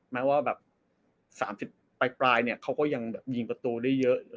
แม้ว่าแบบ๓๐ปลายเขาก็ยังยิงกระตูได้เยอะ